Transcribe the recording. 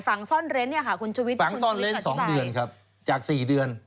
ฝังซ่อนเล้นเนี่ยค่ะคุณชุวิตฝังซ่อนเล้นสองเดือนครับจากสี่เดือน